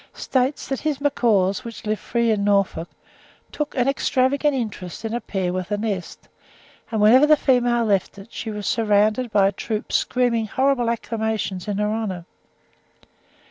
states that his macaws, which lived free in Norfolk, took "an extravagant interest" in a pair with a nest; and whenever the female left it, she was surrounded by a troop "screaming horrible acclamations in her honour."